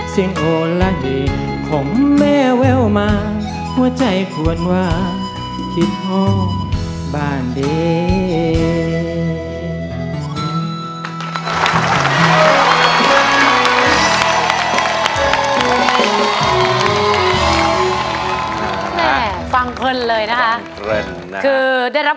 เสียงโอลาเหย์ของแม่แววมาหัวใจฝวนหวาคิดห้องบ้านเด็ด